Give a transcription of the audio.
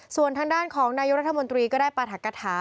ส่วนทางด้านของนายกรัฐมนตรีก็ได้ปรัฐกฐา